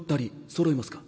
そろいますか。